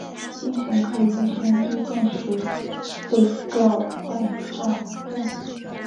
精神科医生亦证实被告患有妄想症。